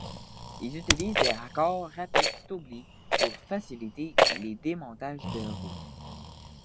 Ils utilisent des raccords rapides Staubli pour faciliter les démontages de roues.